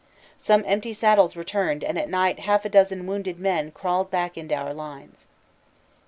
Some empty saddles returned and at night half a dozen wounded men crawled back into our lines.